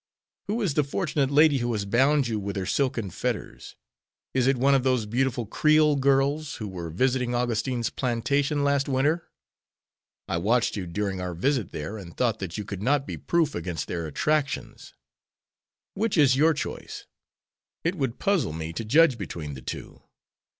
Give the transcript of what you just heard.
Who is the fortunate lady who has bound you with her silken fetters? Is it one of those beautiful Creole girls who were visiting Augustine's plantation last winter? I watched you during our visit there and thought that you could not be proof against their attractions. Which is your choice? It would puzzle me to judge between the two.